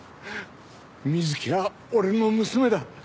美月は俺の娘だ。